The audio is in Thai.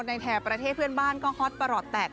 แถบประเทศเพื่อนบ้านก็ฮอตประหลอดแตก